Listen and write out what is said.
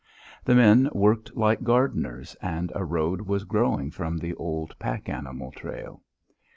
The men worked like gardeners, and a road was growing from the old pack animal trail.